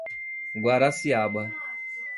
Guaraciaba